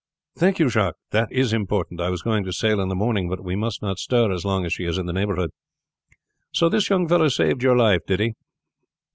"Thank you, Jacques; that is important. I was going to sail in the morning, but we must not stir as long as she is in the neighborhood. So this young fellow saved your life, did he?"